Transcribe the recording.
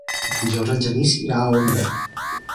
Dijous en Genís irà a Onda.